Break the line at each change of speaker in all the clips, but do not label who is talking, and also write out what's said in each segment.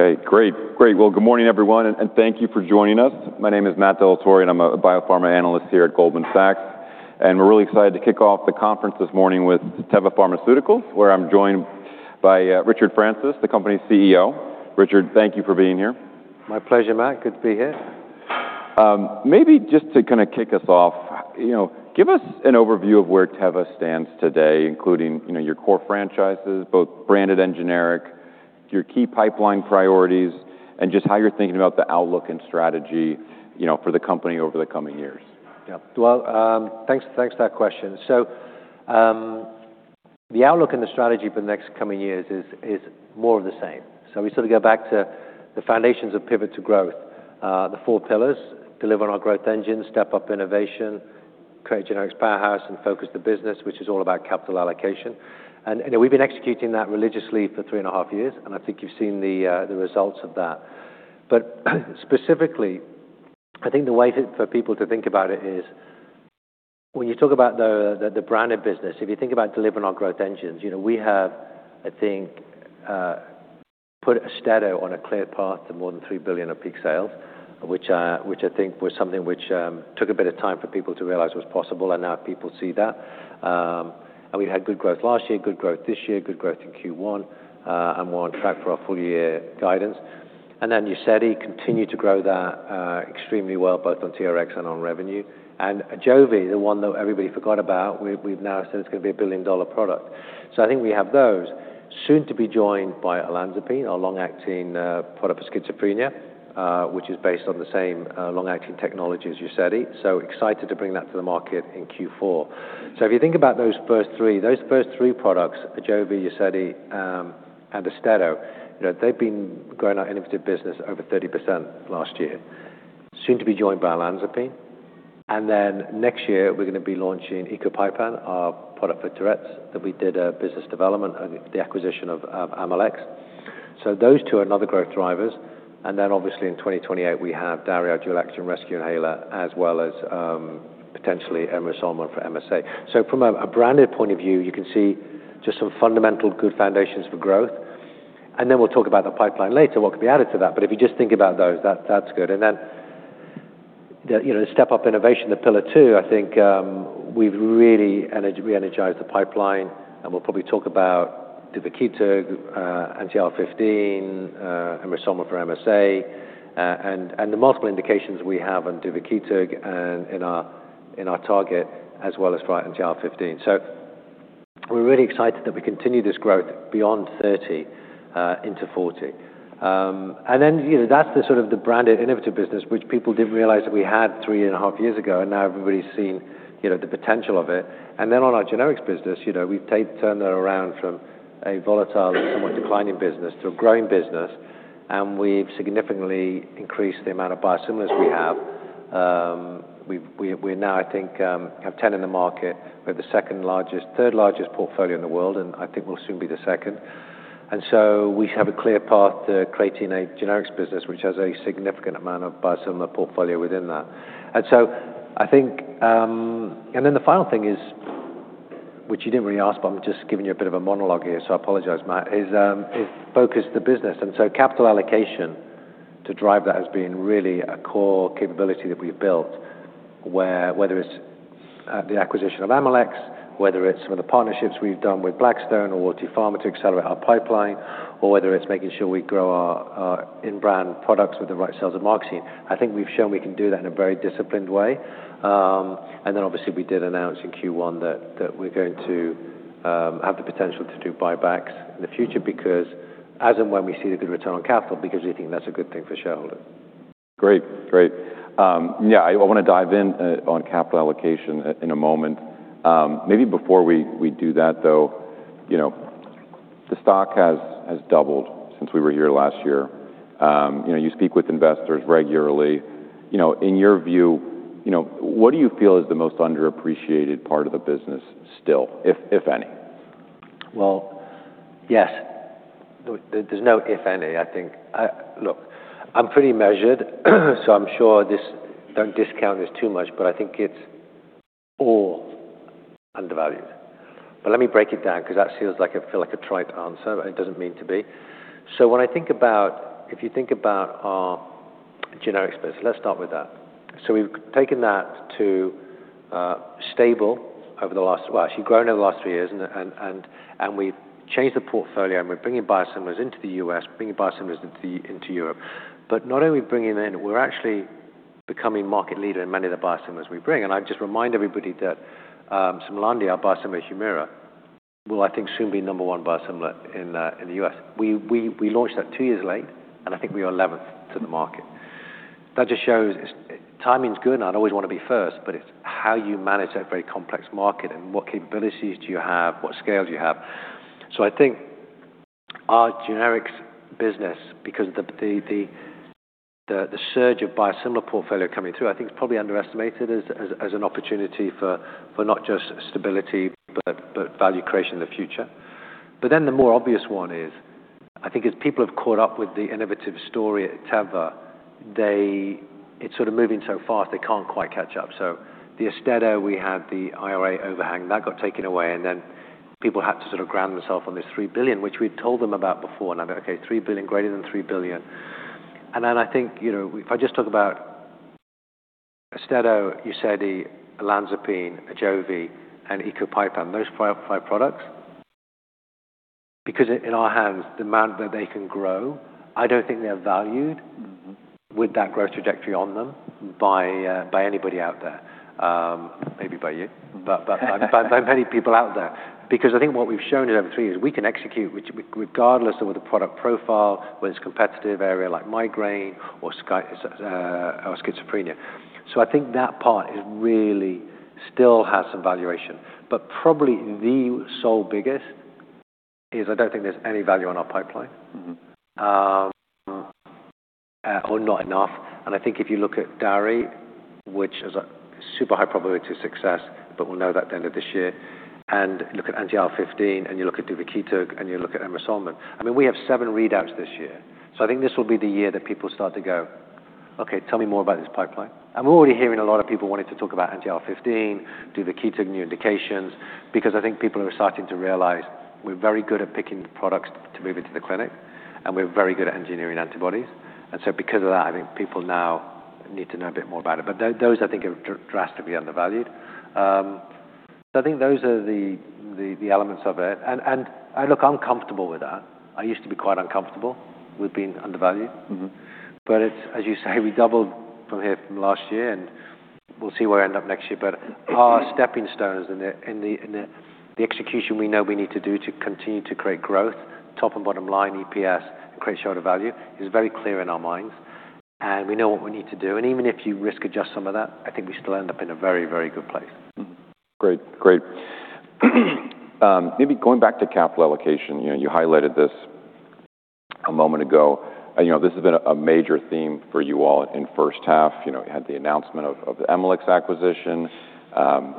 Okay, great. Well, good morning, everyone, and thank you for joining us. My name is Matt Dellatorre, and I'm a biopharma analyst here at Goldman Sachs. We're really excited to kick off the conference this morning with Teva Pharmaceuticals, where I'm joined by Richard Francis, the company's CEO. Richard, thank you for being here.
My pleasure, Matt. Good to be here.
Maybe just to kind of kick us off, give us an overview of where Teva stands today, including your core franchises, both branded and generic, your key pipeline priorities, and just how you're thinking about the outlook and strategy for the company over the coming years.
Yeah. Well, thanks for that question. The outlook and the strategy for the next coming years is more of the same. We sort of go back to the foundations of Pivot to Growth. The four pillars, deliver on our growth engines, step up innovation, create a generics powerhouse, and focus the business, which is all about capital allocation. We've been executing that religiously for three and a half years, and I think you've seen the results of that. Specifically, I think the way for people to think about it is when you talk about the branded business, if you think about delivering on growth engines, we have, I think, put AUSTEDO on a clear path to more than $3 billion of peak sales, which I think was something which took a bit of time for people to realize was possible, and now people see that. We had good growth last year, good growth this year, good growth in Q1, we're on track for our full-year guidance. UZEDY continued to grow that extremely well, both on TRX and on revenue. AJOVY, the one that everybody forgot about, we've now said it's going to be a billion-dollar product. I think we have those, soon to be joined by olanzapine, our long-acting product for schizophrenia, which is based on the same long-acting technology as UZEDY. Excited to bring that to the market in Q4. If you think about those first three products, AJOVY, UZEDY, and AUSTEDO, they've been growing our innovative business over 30% last year. Soon to be joined by olanzapine. Next year, we're going to be launching ecopipam, our product for Tourette's, that we did our business development and the acquisition of Emalex. Those two are another growth drivers. Obviously in 2028, we have DARI dual-action rescue inhaler, as well as potentially emrusolmin for MSA. From a branded point of view, you can see just some fundamental good foundations for growth. We'll talk about the pipeline later, what could be added to that. If you just think about those, that's good. The step up innovation, the pillar two, I think we've really re-energized the pipeline, we'll probably talk about duvakitug, Anti-IL-15, emrusolmin for MSA, and the multiple indications we have on duvakitug in our target, as well as right in Anti-IL-15. We're really excited that we continue this growth beyond 30% into 40%. That's the sort of the branded innovative business which people didn't realize that we had three and a half years ago, everybody's seen the potential of it. On our generics business, we've turned that around from a volatile and somewhat declining business to a growing business, we've significantly increased the amount of biosimilars we have. We now, I think, have 10 in the market. We have the third largest portfolio in the world, I think we'll soon be the second. We have a clear path to creating a generics business which has a significant amount of biosimilar portfolio within that. The final thing is, which you didn't really ask, but I'm just giving you a bit of a monologue here, I apologize, Matt, is focus the business. Capital allocation to drive that has been really a core capability that we've built, whether it's the acquisition of Emalex, whether it's some of the partnerships we've done with Blackstone or Royalty Pharma to accelerate our pipeline, or whether it's making sure we grow our in-brand products with the right sales and marketing. I think we've shown we can do that in a very disciplined way. Obviously, we did announce in Q1 that we're going to have the potential to do buybacks in the future because as and when we see the good return on capital, because we think that's a good thing for shareholders.
Great. I want to dive in on capital allocation in a moment. Maybe before we do that, though, the stock has doubled since we were here last year. You speak with investors regularly. In your view, what do you feel is the most underappreciated part of the business still, if any?
Well, yes. There's no if any, I think. Look, I'm pretty measured, so I'm sure don't discount this too much, but I think it's all undervalued. Let me break it down because that feels like a trite answer, and it doesn't mean to be. If you think about our generics business, let's start with that. We've taken that to stable over the last-- Well, actually grown over the last three years, and we've changed the portfolio and we're bringing biosimilars into the U.S., bringing biosimilars into Europe. Not only bringing in, we're actually becoming market leader in many of the biosimilars we bring. I'd just remind everybody that SIMLANDI, our biosimilar HUMIRA, will, I think, soon be number one biosimilar in the U.S. We launched that two years late, and I think we are 11th to the market. That just shows timing's good, and I'd always want to be first, but it's how you manage that very complex market and what capabilities do you have, what scales you have. I think our generics business, because the surge of biosimilar portfolio coming through, I think is probably underestimated as an opportunity for not just stability, but value creation in the future. The more obvious one is, I think as people have caught up with the innovative story at Teva, it's sort of moving so fast they can't quite catch up. The AUSTEDO, we had the IRA overhang. That got taken away, and then people had to sort of ground themselves on this $3 billion, which we'd told them about before. I go, "Okay, $3 billion, greater than $3 billion." I think, if I just talk about AUSTEDO, UZEDY, olanzapine, AJOVY, and ecopipam, those five products, because in our hands, the amount that they can grow, I don't think they're valued with that growth trajectory on them by anybody out there. Maybe by you. By many people out there. I think what we've shown at M&T is we can execute regardless of the product profile, whether it's competitive area like migraine or schizophrenia. I think that part really still has some valuation. Probably the sole biggest is I don't think there's any value in our pipeline. Or not enough. I think if you look at DARI, which is a super high probability of success, but we'll know that at the end of this year, look at Anti-IL-15, look at duvakitug, and you look at emrusolmin. I mean, we have seven readouts this year. I think this will be the year that people start to go, "Okay, tell me more about this pipeline." I'm already hearing a lot of people wanting to talk about Anti-IL-15, duvakitug new indications, because I think people are starting to realize we're very good at picking the products to move into the clinic, and we're very good at engineering antibodies. Because of that, I think people now need to know a bit more about it. Those, I think, are drastically undervalued. I think those are the elements of it. Look, I'm comfortable with that. I used to be quite uncomfortable with being undervalued. It's, as you say, we doubled from here from last year, we'll see where I end up next year. Our stepping stones in the execution we know we need to do to continue to create growth, top and bottom line EPS, and create shareholder value is very clear in our minds, we know what we need to do. Even if you risk adjust some of that, I think we still end up in a very good place.
Great. Maybe going back to capital allocation. You highlighted this a moment ago, this has been a major theme for you all in the first half. You had the announcement of the Emalex acquisition.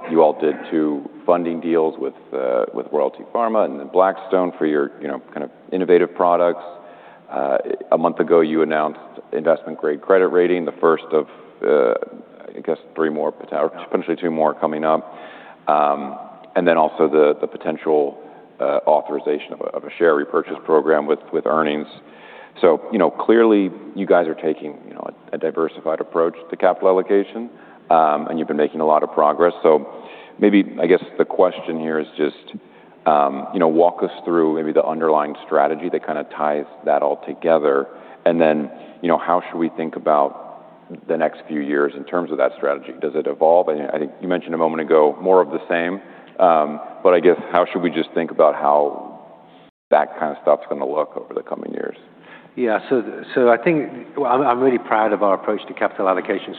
You all did two funding deals with Royalty Pharma and then Blackstone for your kind of innovative products. A month ago, you announced investment-grade credit rating, the first of, I guess, three more, potentially two more coming up. Also the potential authorization of a share repurchase program with earnings. Clearly you guys are taking a diversified approach to capital allocation, you've been making a lot of progress. Maybe, I guess, the question here is just walk us through maybe the underlying strategy that kind of ties that all together. How should we think about the next few years in terms of that strategy? Does it evolve? I think you mentioned a moment ago, more of the same. How should we just think about how that kind of stuff's going to look over the coming years?
Yeah. I think I'm really proud of our approach to capital allocation.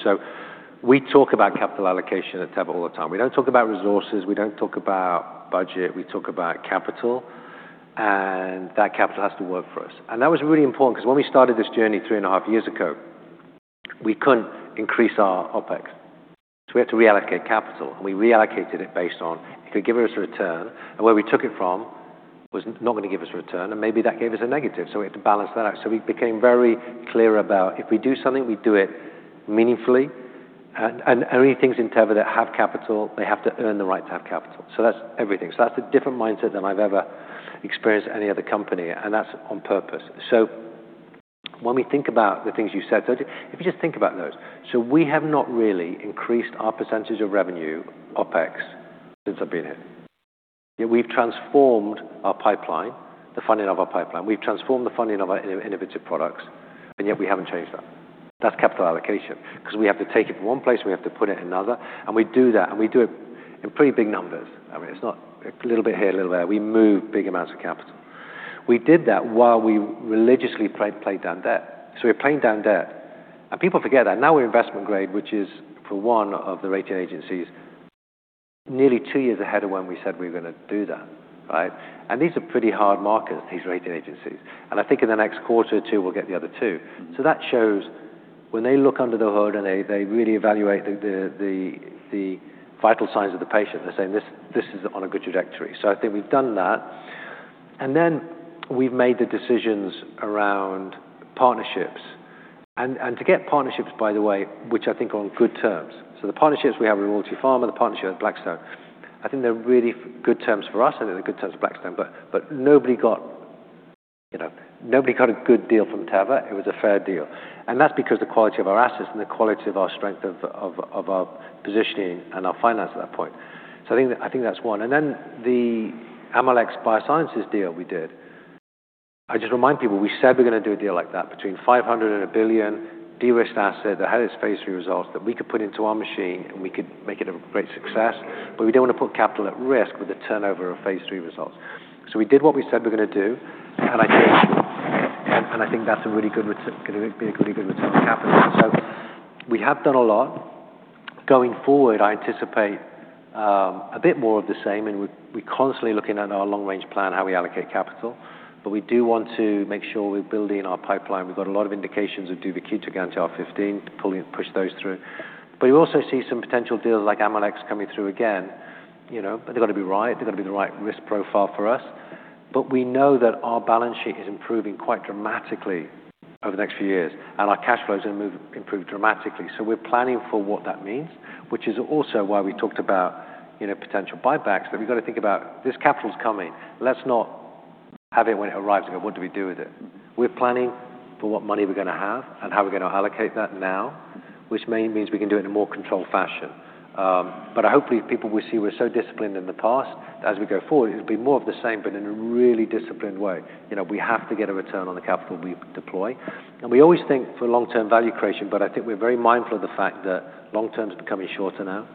We talk about capital allocation at Teva all the time. We don't talk about resources. We don't talk about budget. We talk about capital, and that capital has to work for us. That was really important because when we started this journey three and a half years ago, we couldn't increase our OpEx. We had to reallocate capital, and we reallocated it based on it could give us a return. Where we took it from was not going to give us a return, and maybe that gave us a negative, so we had to balance that out. We became very clear about if we do something, we do it meaningfully. Only things in Teva that have capital, they have to earn the right to have capital. That's everything. That's a different mindset than I've ever experienced at any other company, and that's on purpose. When we think about the things you said, if you just think about those. We have not really increased our percentage of revenue OpEx since I've been here, yet we've transformed our pipeline, the funding of our pipeline. We've transformed the funding of our innovative products, and yet we haven't changed that. That's capital allocation, because we have to take it from one place, and we have to put it in another. We do that, and we do it in pretty big numbers. I mean, it's not a little bit here, a little there. We move big amounts of capital. We did that while we religiously played down debt. We were playing down debt. People forget that. Now we're investment grade, which is for one of the rating agencies nearly two years ahead of when we said we were going to do that, right? These are pretty hard markers, these rating agencies. I think in the next quarter or two, we'll get the other two. That shows when they look under the hood and they really evaluate the vital signs of the patient. They're saying, "This is on a good trajectory." I think we've done that. Then we've made the decisions around partnerships. To get partnerships, by the way, which I think are on good terms. The partnerships we have with Royalty Pharma, the partnership with Blackstone, I think they're really good terms for us and in good terms with Blackstone. Nobody got a good deal from Teva. It was a fair deal. That's because the quality of our assets and the quality of our strength of our positioning and our finance at that point. I think that's one. Then the Amylyx Biosciences deal we did. I just remind people, we said we're going to do a deal like that between $500 million and $1 billion, de-risked asset that had its phase III results that we could put into our machine, and we could make it a great success. We don't want to put capital at risk with the turnover of phase III results. We did what we said we were going to do. I think that's going to be a really good return on capital. We have done a lot. Going forward, I anticipate a bit more of the same, we're constantly looking at our long-range plan, how we allocate capital. We do want to make sure we're building our pipeline. We've got a lot of indications with duvakitug, Anti-IL-15, to push those through. You also see some potential deals like Amylyx coming through again. They've got to be right. They've got to be the right risk profile for us. We know that our balance sheet is improving quite dramatically over the next few years, and our cash flows have improved dramatically. We're planning for what that means, which is also why we talked about potential buybacks. We've got to think about this capital's coming. Let's not have it when it arrives and go, "What do we do with it?" We're planning for what money we're going to have and how we're going to allocate that now, which mainly means we can do it in a more controlled fashion. I hope people will see we're so disciplined in the past. As we go forward, it'll be more of the same, but in a really disciplined way. We have to get a return on the capital we deploy. We always think for long-term value creation, I think we're very mindful of the fact that long-term's becoming shorter now.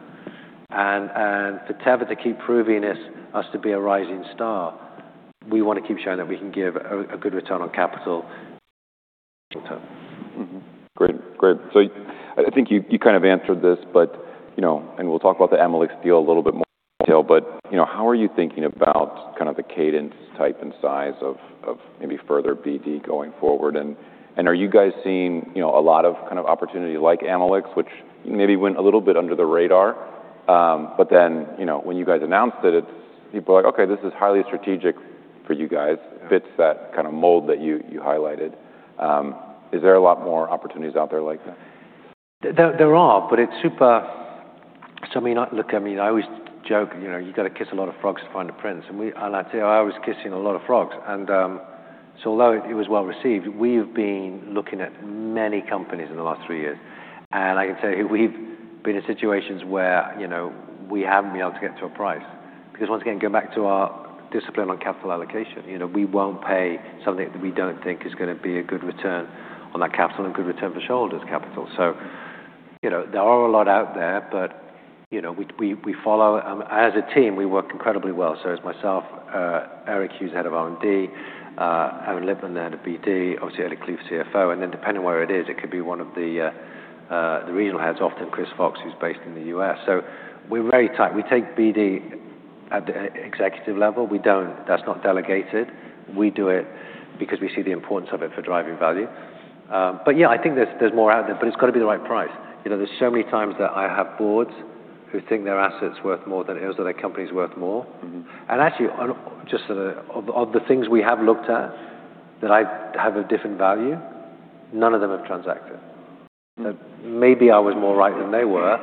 For Teva to keep proving us to be a rising star, we want to keep showing that we can give a good return on capital short term.
Great. I think you kind of answered this, we'll talk about the Amylyx deal a little bit more in detail, how are you thinking about kind of the cadence type and size of maybe further BD going forward? Are you guys seeing a lot of opportunity like Amylyx, which maybe went a little bit under the radar, when you guys announced it, people are like, "Okay, this is highly strategic for you guys." Fits that kind of mold that you highlighted. Is there a lot more opportunities out there like that?
There are. Look, I always joke, you've got to kiss a lot of frogs to find a prince. I tell you, I was kissing a lot of frogs. Although it was well received, we have been looking at many companies in the last three years. I can tell you, we've been in situations where we haven't been able to get to a price. Once again, going back to our discipline on capital allocation. We won't pay something that we don't think is going to be a good return on that capital and good return for shareholders' capital. There are a lot out there. As a team, we work incredibly well. It's myself, Eric Hughes, head of R&D, Evan Lippman, head of BD, obviously Eli Kalif, CFO, and then depending where it is, it could be one of the regional heads, often Chris Fox, who's based in the U.S. We're very tight. We take BD at the executive level. That's not delegated. We do it because we see the importance of it for driving value. Yeah, I think there's more out there, but it's got to be the right price. There's so many times that I have boards who think their asset's worth more than it is, or their company's worth more. Actually, of the things we have looked at that I have a different value, none of them have transacted. Maybe I was more right than they were,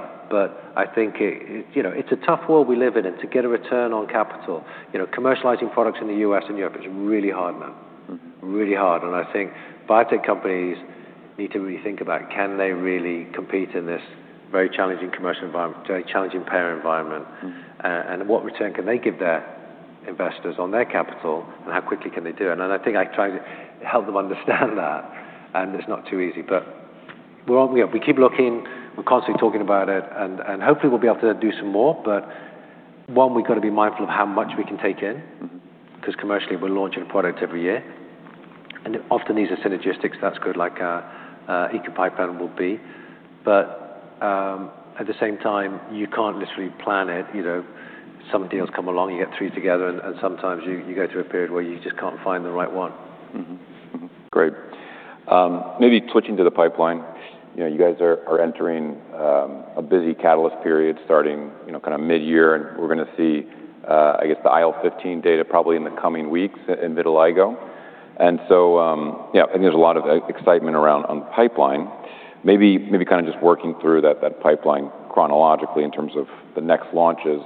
I think it's a tough world we live in, and to get a return on capital, commercializing products in the U.S. and Europe is really hard, man. Really hard. I think biotech companies need to really think about can they really compete in this very challenging commercial environment, very challenging payer environment. What return can they give their investors on their capital, and how quickly can they do it? I think I try to help them understand that, and it's not too easy. We keep looking, we're constantly talking about it, and hopefully we'll be able to do some more. One, we've got to be mindful of how much we can take in. Because commercially, we're launching a product every year. Often these are synergistics, that's good, like ecopipam will be. At the same time, you can't literally plan it. Some deals come along, you get three together, and sometimes you go through a period where you just can't find the right one.
Great. Maybe switching to the pipeline. You guys are entering a busy catalyst period starting mid-year, we're going to see, I guess, the IL-15 data probably in the coming weeks in vitiligo. I think there's a lot of excitement around on the pipeline. Maybe kind of just working through that pipeline chronologically in terms of the next launches.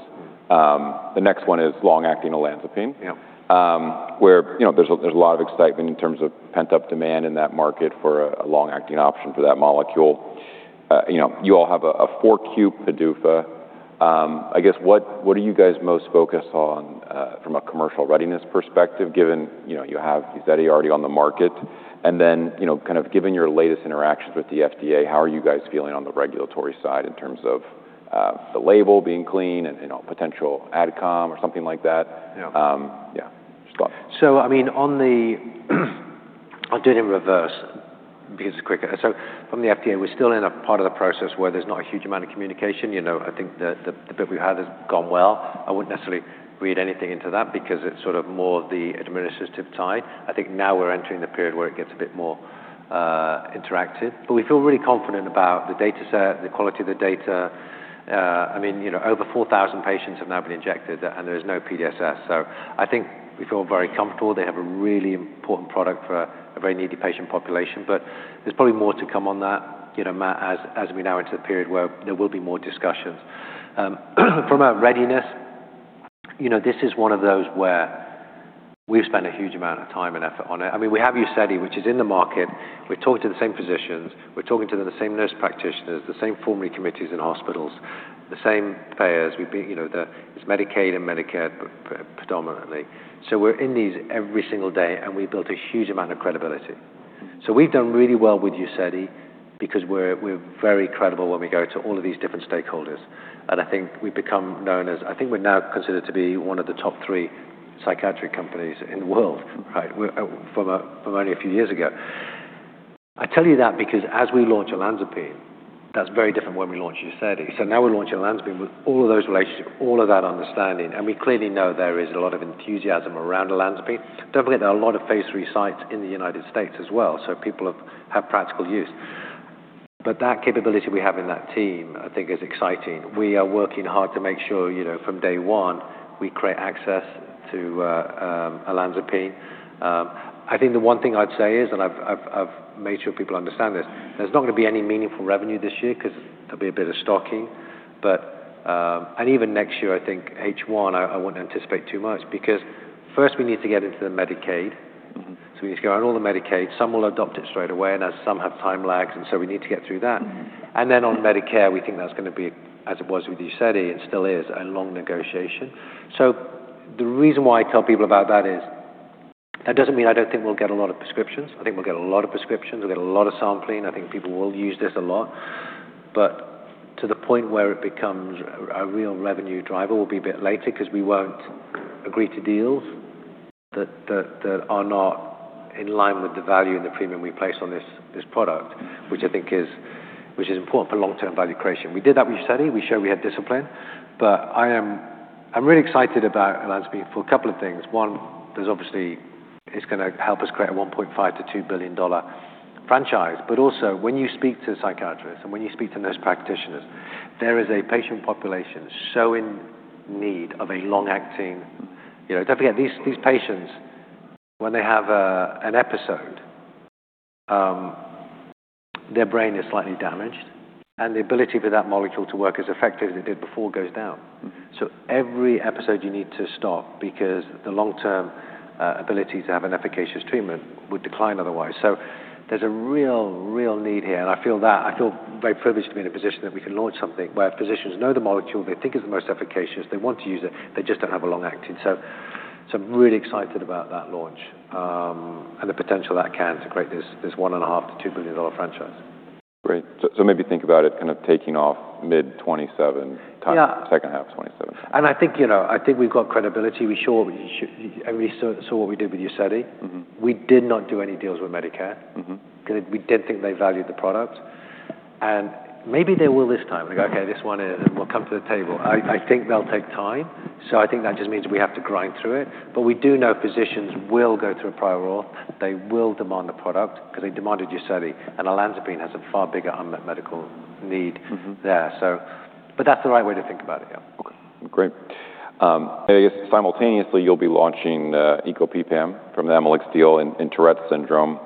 The next one is long-acting olanzapine.
Yeah.
Where there's a lot of excitement in terms of pent-up demand in that market for a long-acting option for that molecule. You all have a 4Q PDUFA. I guess, what are you guys most focused on from a commercial readiness perspective, given you have UZEDY already on the market? Kind of given your latest interactions with the FDA, how are you guys feeling on the regulatory side in terms of the label being clean and potential AdCom or something like that?
Yeah.
Yeah. Just thought.
I'll do it in reverse because it's quicker. From the FDA, we're still in a part of the process where there's not a huge amount of communication. I think the bit we had has gone well. I wouldn't necessarily read anything into that because it's sort of more the administrative tie. I think now we're entering the period where it gets a bit more interactive. We feel really confident about the dataset, the quality of the data. Over 4,000 patients have now been injected, and there is no PDSS. I think we feel very comfortable. They have a really important product for a very needy patient population. There's probably more to come on that, Matt, as we now enter the period where there will be more discussions. From a readiness, this is one of those where we've spent a huge amount of time and effort on it. We have UZEDY, which is in the market. We're talking to the same physicians, we're talking to the same nurse practitioners, the same formulary committees in hospitals, the same payers. It's Medicaid and Medicare predominantly. We're in these every single day, and we built a huge amount of credibility. We've done really well with UZEDY because we're very credible when we go to all of these different stakeholders. I think we're now considered to be one of the top three psychiatric companies in the world.
Right.
From only a few years ago. I tell you that because as we launch olanzapine, that's very different when we launched UZEDY. Now we're launching olanzapine with all of those relationships, all of that understanding, and we clearly know there is a lot of enthusiasm around olanzapine. Don't forget there are a lot of phase III sites in the U.S. as well, so people have practical use. That capability we have in that team I think is exciting. We are working hard to make sure from day one we create access to olanzapine. I think the one thing I'd say is, and I've made sure people understand this, there's not going to be any meaningful revenue this year because there'll be a bit of stocking. Even next year, I think H1, I wouldn't anticipate too much because first we need to get into the Medicaid. We need to go on all the Medicaid. Some will adopt it straight away, and some have time lags, and so we need to get through that. On Medicare, we think that's going to be, as it was with UZEDY, and still is, a long negotiation. The reason why I tell people about that is that doesn't mean I don't think we'll get a lot of prescriptions. I think we'll get a lot of prescriptions. We'll get a lot of sampling. I think people will use this a lot. To the point where it becomes a real revenue driver will be a bit later because we won't agree to deals that are not in line with the value and the premium we place on this product, which is important for long-term value creation. We did that with UZEDY. We showed we had discipline. I'm really excited about olanzapine for a couple of things. One, there's obviously it's going to help us create a $1.5 billion-$2 billion franchise. Also, when you speak to psychiatrists and when you speak to nurse practitioners, there is a patient population so in need of a long-acting. Don't forget, these patients, when they have an episode, their brain is slightly damaged, and the ability for that molecule to work as effectively as it did before goes down. Every episode you need to stop because the long-term ability to have an efficacious treatment would decline otherwise. There's a real need here, and I feel very privileged to be in a position that we can launch something where physicians know the molecule, they think it's the most efficacious, they want to use it, they just don't have a long-acting. I'm really excited about that launch and the potential that can to create this $1.5 billion-$2 billion franchise.
Great. Maybe think about it kind of taking off mid 2027-
Yeah
second half 2027.
I think we've got credibility. We saw what we did with UZEDY. We did not do any deals with Medicare. We did think they valued the product. Maybe they will this time and be like, "Okay, this one in, and we'll come to the table." I think they'll take time, I think that just means we have to grind through it. We do know physicians will go through a prior rule. They will demand the product because they demanded UZEDY, and olanzapine has a far bigger unmet medical need. there. That's the right way to think about it, yeah.
Okay. Great. I guess simultaneously you'll be launching ecopipam from the Amylyx deal in Tourette syndrome.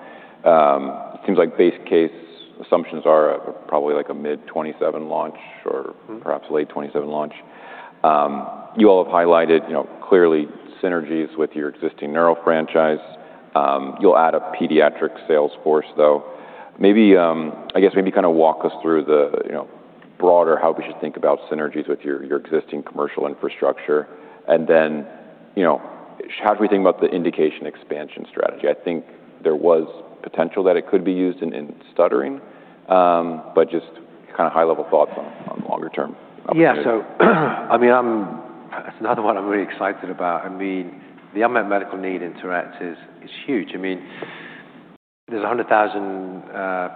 It seems like base case assumptions are probably like a mid 2027 launch or. perhaps late 2027 launch. You all have highlighted clearly synergies with your existing neuro franchise. You'll add a pediatric sales force, though. I guess maybe kind of walk us through the broader how we should think about synergies with your existing commercial infrastructure, and then how do we think about the indication expansion strategy? I think there was potential that it could be used in stuttering. Just kind of high-level thoughts on longer term opportunities.
Yeah. That's another one I'm really excited about. The unmet medical need in Tourette is huge. There's 100,000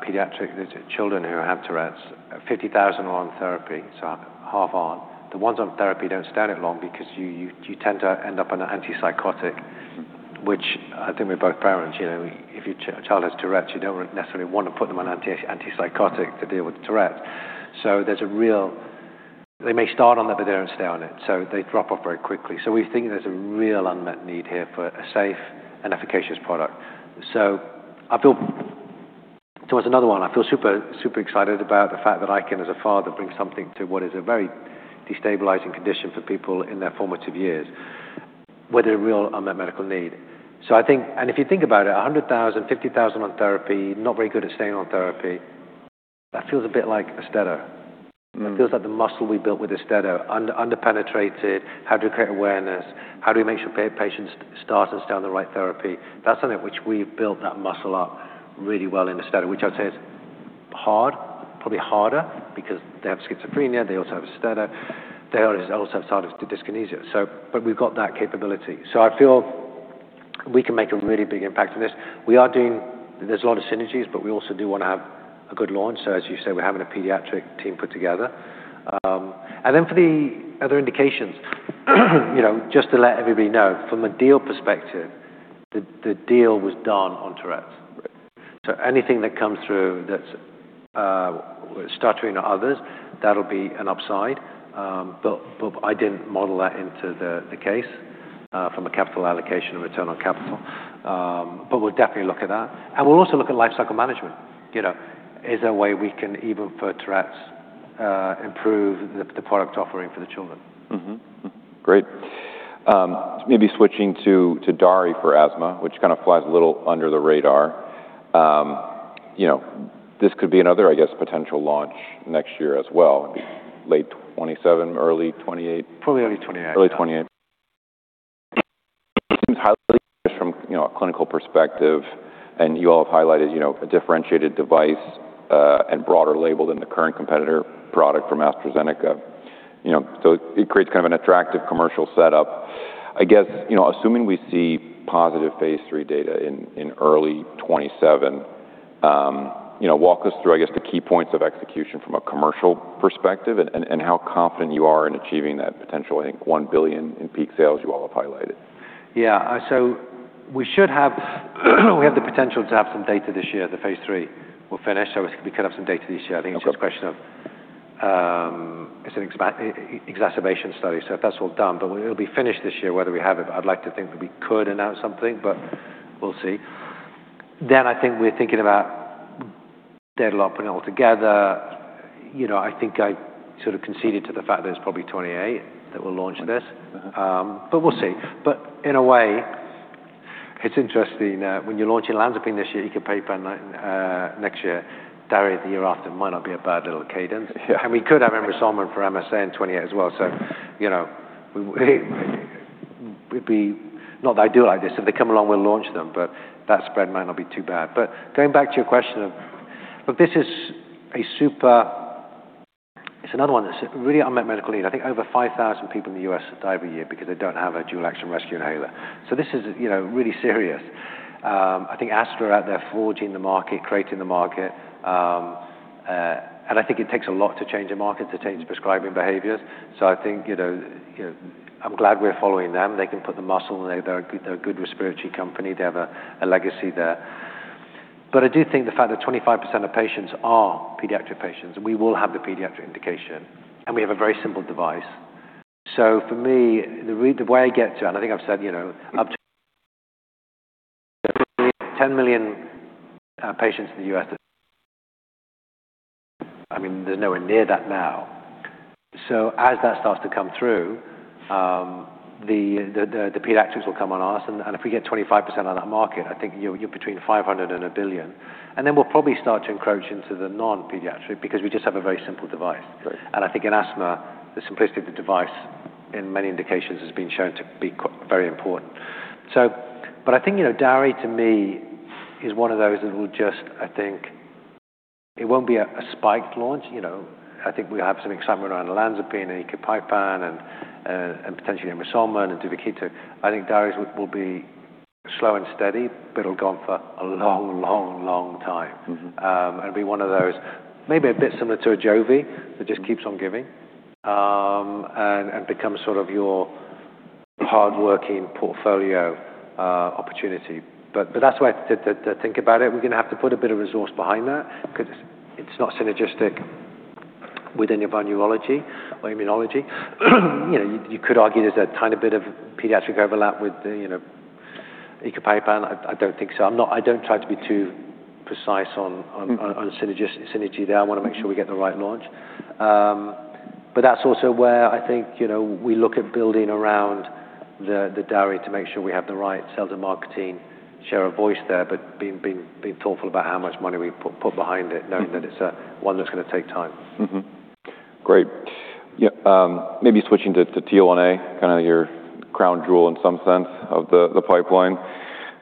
pediatric children who have Tourette's, 50,000 are on therapy, so half are. The ones on therapy don't stay on it long because you tend to end up on an antipsychotic, which I think we're both parents. If your child has Tourette's, you don't necessarily want to put them on antipsychotic to deal with Tourette's. They may start on them, but they don't stay on it. They drop off very quickly. We think there's a real unmet need here for a safe and efficacious product. As another one, I feel super excited about the fact that I can, as a father, bring something to what is a very destabilizing condition for people in their formative years with a real unmet medical need. If you think about it, 100,000, 50,000 on therapy, not very good at staying on therapy. That feels a bit like AUSTEDO. That feels like the muscle we built with AUSTEDO. Under-penetrated. How do we create awareness? How do we make sure patients start and stay on the right therapy? That's something which we've built that muscle up really well in AUSTEDO, which I'd say is hard, probably harder, because they have schizophrenia. They also have AUSTEDO. They also have tardive dyskinesia. We've got that capability. I feel we can make a really big impact on this. There's a lot of synergies, but we also do want to have a good launch. As you say, we're having a pediatric team put together. For the other indications, just to let everybody know, from a deal perspective, the deal was done on Tourette's.
Right.
Anything that comes through that's stuttering or others, that'll be an upside. I didn't model that into the case from a capital allocation or return on capital. We'll definitely look at that. We'll also look at lifecycle management. Is there a way we can even for Tourette's improve the product offering for the children?
Great. Maybe switching to DARI for asthma, which kind of flies a little under the radar. This could be another, I guess, potential launch next year as well. It'd be late 2027, early 2028.
Probably early 2028.
Early 2028. Seems highly from a clinical perspective, you all have highlighted a differentiated device and broader label than the current competitor product from AstraZeneca. It creates kind of an attractive commercial setup. I guess, assuming we see positive phase III data in early 2027, walk us through, I guess, the key points of execution from a commercial perspective and how confident you are in achieving that potential, I think, $1 billion in peak sales you all have highlighted.
Yeah. We have the potential to have some data this year, the phase III will finish. We could have some data this year. I think it's just a question of, it's an exacerbation study. If that's all done, it'll be finished this year, whether we have it, I'd like to think that we could announce something. We'll see. I think we're thinking about deadlining it all together. I think I sort of conceded to the fact that it's probably 2028 that we'll launch this.
Okay. Mm-hmm.
We'll see. In a way, it's interesting, when you're launching olanzapine this year, ecopipam next year, DARI the year after might not be a bad little cadence.
Yeah.
We could have emrusolmin for MSA in 2028 as well. Not that I do it like this, if they come along, we'll launch them. That spread might not be too bad. Going back to your question, this is another one that's a really unmet medical need. I think over 5,000 people in the U.S. die every year because they don't have a dual-action rescue inhaler. This is really serious. I think AstraZeneca out there forging the market, creating the market. I think it takes a lot to change a market, to change prescribing behaviors. I think, I'm glad we're following them. They can put the muscle in. They're a good respiratory company. They have a legacy there. I do think the fact that 25% of patients are pediatric patients, and we will have the pediatric indication, and we have a very simple device. For me, the way I get to, I think I've said up to 10 million patients in the U.S. There's nowhere near that now. As that starts to come through, the pediatrics will come on us, if we get 25% of that market, I think you're between $500 million and $1 billion. Then we'll probably start to encroach into the non-pediatric because we just have a very simple device.
Good.
I think in asthma, the simplicity of the device in many indications has been shown to be very important. I think DARI to me is one of those that will just, I think it won't be a spiked launch. I think we'll have some excitement around the olanzapine and icatibant and potentially emrusolmin and duvakitug. I think DARI will be slow and steady, but it'll go on for a long, long, long time. Be one of those maybe a bit similar to AJOVY that just keeps on giving, and becomes sort of your hardworking portfolio opportunity. That's the way to think about it. We're going to have to put a bit of resource behind that because it's not synergistic with any of our neurology or immunology. You could argue there's a tiny bit of pediatric overlap with the icatibant. I don't think so. I don't try to be too precise on synergy there. I want to make sure we get the right launch. That's also where I think we look at building around the DARI to make sure we have the right sales and marketing share of voice there, but being thoughtful about how much money we put behind it, knowing that it's one that's going to take time.
Great. Maybe switching to TL1A, your crown jewel in some sense of the pipeline.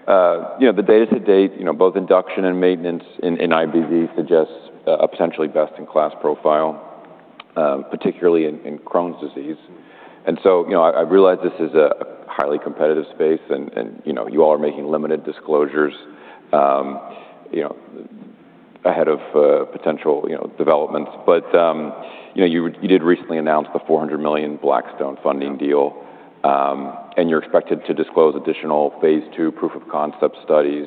The data to date, both induction and maintenance in IBD suggests a potentially best-in-class profile, particularly in Crohn's disease. I realize this is a highly competitive space and you all are making limited disclosures ahead of potential developments. You did recently announce the $400 million Blackstone funding deal, and you're expected to disclose additional phase II proof of concept studies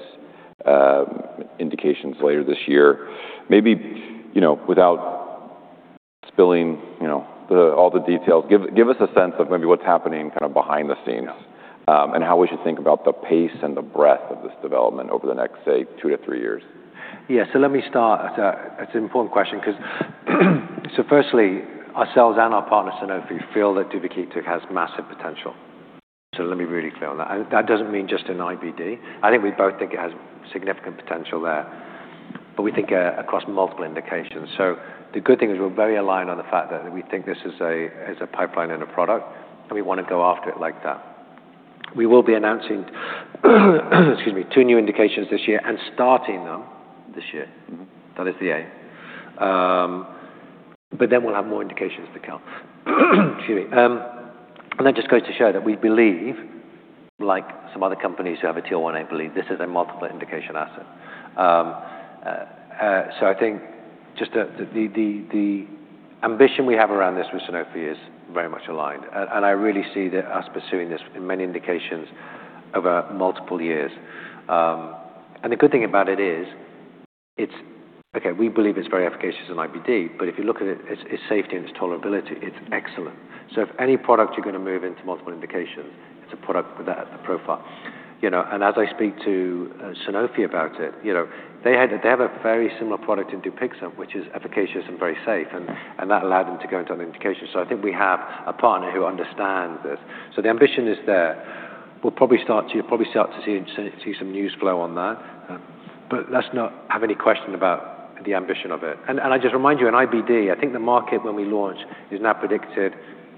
indications later this year. Maybe, without spilling all the details, give us a sense of maybe what's happening behind the scenes.
Yes.
How we should think about the pace and the breadth of this development over the next, say, two to three years.
Let me start. It's an important question because, firstly, ourselves and our partners at Sanofi feel that duvakitug has massive potential. Let me be really clear on that. That doesn't mean just in IBD. I think we both think it has significant potential there, but we think across multiple indications. The good thing is we're very aligned on the fact that we think this is a pipeline and a product, and we want to go after it like that. We will be announcing, excuse me, two new indications this year and starting them this year. That is the A. We'll have more indications to come. Excuse me. That just goes to show that we believe, like some other companies who have a TL1A believe, this is a multiple indication asset. I think just the ambition we have around this with Sanofi is very much aligned, and I really see us pursuing this in many indications over multiple years. The good thing about it is, okay, we believe it's very efficacious in IBD, but if you look at its safety and its tolerability, it's excellent. If any product you're going to move into multiple indications, it's a product with that profile. As I speak to Sanofi about it, they have a very similar product in DUPIXENT, which is efficacious and very safe, and that allowed them to go into other indications. I think we have a partner who understands this. The ambition is there. You'll probably start to see some news flow on that. Let's not have any question about the ambition of it. I just remind you, in IBD, the market when we launch is now predicted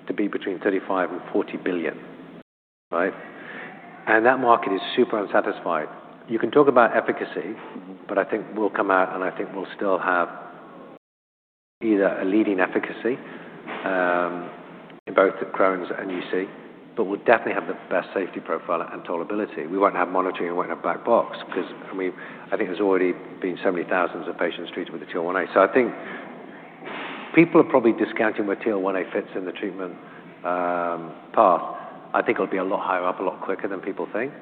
to be between $35 billion and $40 billion. Right. That market is super unsatisfied. You can talk about efficacy, but I think we'll come out, and I think we'll still have either a leading efficacy, in both the Crohn's and UC, but we'll definitely have the best safety profile and tolerability. We won't have monitoring and we won't have black box because I think there's already been so many thousands of patients treated with the TL1A. People are probably discounting where TL1A fits in the treatment path. I think it'll be a lot higher up a lot quicker than people think.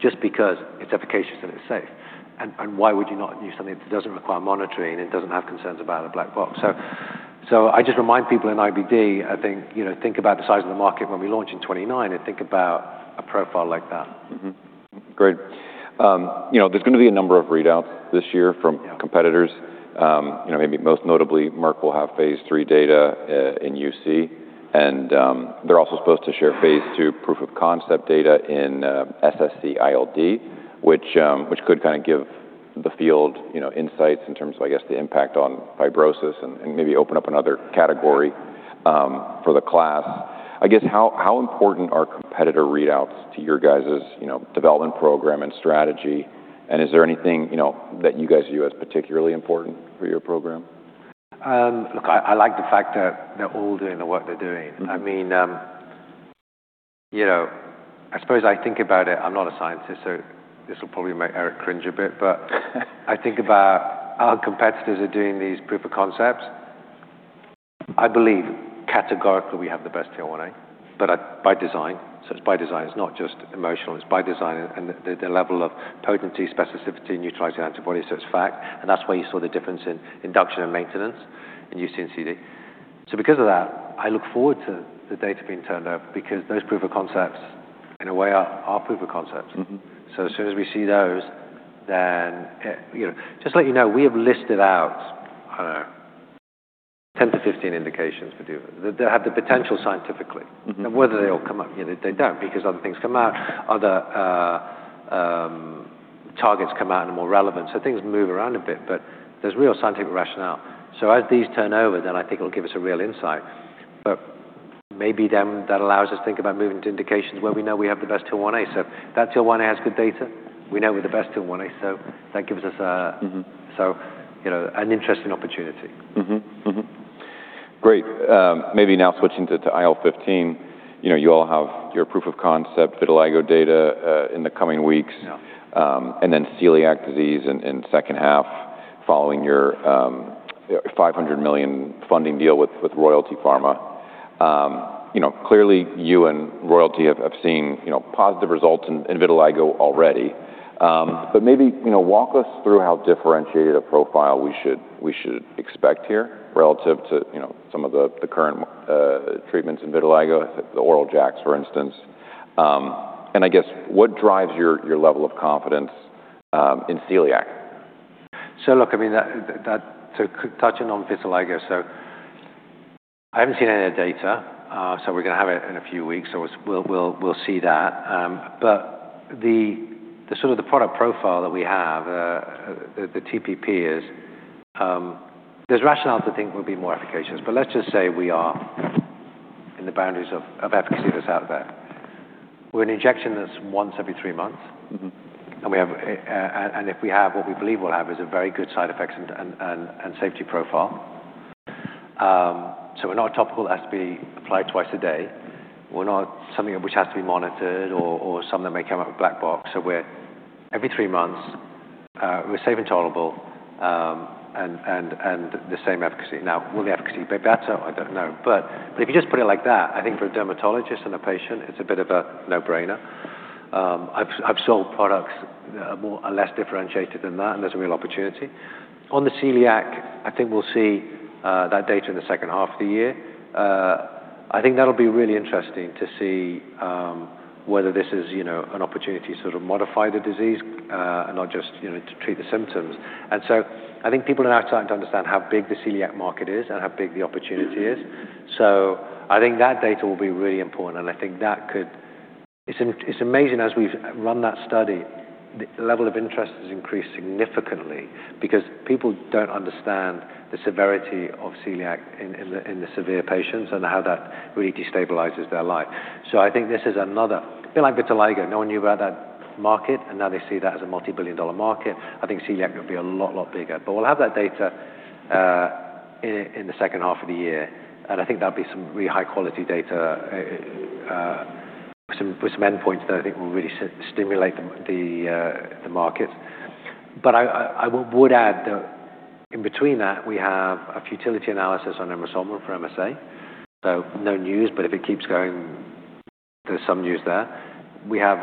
Just because it's efficacious and it's safe. Why would you not use something that doesn't require monitoring and it doesn't have concerns about a black box? I just remind people in IBD, I think about the size of the market when we launch in 2029 and think about a profile like that.
Great. There's going to be a number of readouts this year.
Yeah
competitors. Maybe most notably, Merck will have phase III data in UC, and they're also supposed to share phase II proof of concept data in SSc-ILD, which could give the field insights in terms of, I guess, the impact on fibrosis and maybe open up another category for the class. I guess, how important are competitor readouts to your guys' development program and strategy, is there anything that you guys view as particularly important for your program?
Look, I like the fact that they're all doing the work they're doing. I suppose I think about it, I'm not a scientist, so this will probably make Eric cringe a bit. I think about our competitors are doing these proof of concepts. I believe categorically we have the best TL1A, but by design. It's by design. It's not just emotional. It's by design, and the level of potency, specificity, neutralizing antibody, so it's fact, and that's why you saw the difference in induction and maintenance in UC/CD. Because of that, I look forward to the data being turned over because those proof of concepts, in a way, are our proof of concepts. As soon as we see those, Just to let you know, we have listed out, I don't know, 10-15 indications for DUPIXENT, that have the potential scientifically. Whether they all come up, they don't because other things come out, other targets come out and are more relevant. Things move around a bit, but there's real scientific rationale. As these turn over, I think it'll give us a real insight. Maybe that allows us to think about moving to indications where we know we have the best TL1A. That TL1A has good data. We know we're the best TL1A, so that gives us. An interesting opportunity.
Great. Maybe now switching to IL-15. You all have your proof of concept vitiligo data in the coming weeks.
Yeah.
Celiac disease in second half following your $500 million funding deal with Royalty Pharma. Clearly, you and Royalty have seen positive results in vitiligo already. Maybe walk us through how differentiated a profile we should expect here relative to some of the current treatments in vitiligo, the oral JAKs, for instance. I guess what drives your level of confidence in celiac?
Look, touching on vitiligo. I haven't seen any of the data, so we're going to have it in a few weeks, so we'll see that. The sort of the product profile that we have, the TPP is, there's rationale to think we'll be more efficacious, but let's just say we are in the boundaries of efficacy that's out there. We're an injection that's once every three months. If we have what we believe we'll have is a very good side effects and safety profile. We're not a topical that has to be applied twice a day. We're not something which has to be monitored or something that may come up with black box. We're every three months. We're safe and tolerable and the same efficacy. Now, will the efficacy be better? I don't know. If you just put it like that, I think for a dermatologist and a patient, it's a bit of a no-brainer. I've sold products that are less differentiated than that, and there's a real opportunity. On the celiac, I think we'll see that data in the second half of the year. I think that'll be really interesting to see whether this is an opportunity to sort of modify the disease and not just to treat the symptoms. I think people are now starting to understand how big the celiac market is and how big the opportunity is. I think that data will be really important. It's amazing as we've run that study, the level of interest has increased significantly because people don't understand the severity of celiac in the severe patients and how that really destabilizes their life. I think this is another. A bit like vitiligo. No one knew about that market, and now they see that as a multi-billion dollar market. I think celiac could be a lot bigger. We'll have that data in the second half of the year, and I think that'll be some really high-quality data with some endpoints that I think will really stimulate the market. I would add that in between that, we have a futility analysis on emrusolmin for MSA. No news, but if it keeps going, there's some news there. We have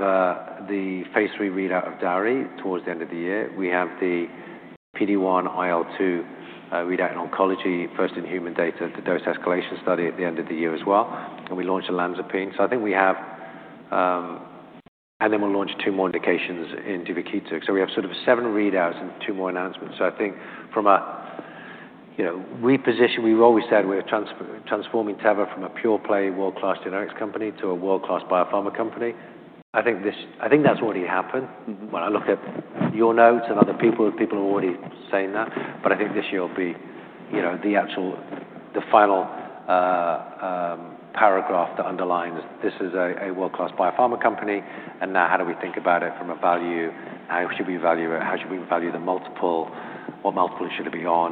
the phase III readout of DARI towards the end of the year. We have the PD-1/IL-2 readout in oncology, first in human data, the dose escalation study at the end of the year as well. We launch olanzapine. We'll launch two more indications in DUPIXENT. We have sort of seven readouts and two more announcements. I think from a reposition, we've always said we're transforming Teva from a pure play world-class generics company to a world-class biopharma company. I think that's already happened. When I look at your notes and other people are already saying that. I think this year will be the actual, the final paragraph that underlines this is a world-class biopharma company, and now how do we think about it from a value? How should we value it? How should we value the multiple? What multiple should it be on?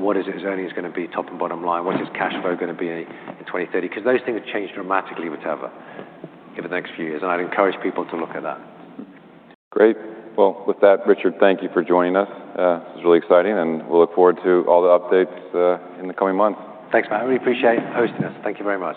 What is its earnings going to be top and bottom line? What is cash flow going to be in 2030? Those things change dramatically with Teva in the next few years, and I'd encourage people to look at that.
Great. Well, with that, Richard, thank you for joining us. This was really exciting, and we'll look forward to all the updates in the coming months.
Thanks, Matt. Really appreciate you hosting us. Thank you very much.